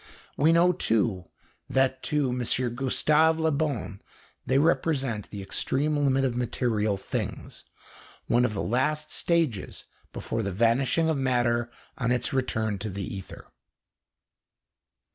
We know, too, that to M. Gustave Le Bon they represent the extreme limit of material things, one of the last stages before the vanishing of matter on its return to the ether.